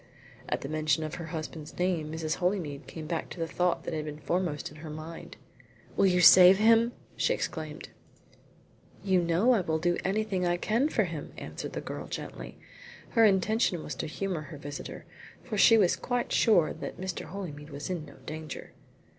At the mention of her husband's name Mrs. Holymead came back to the thought that had been foremost in her mind. "Will you save him?" she exclaimed. "You know I will do anything I can for him," answered the girl gently. Her intention was to humour her visitor, for she was quite sure that Mr. Holymead was in no danger.